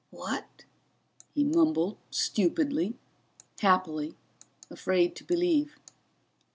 "What ?" he mumbled, stupidly, happily, afraid to believe.